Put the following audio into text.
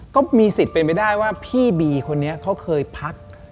ก็มีสิทธิ์เป็นไปได้ว่าพี่บีคนนี้เขาเคยพัก